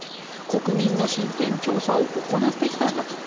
国民の身辺調査を行ってきたんだと。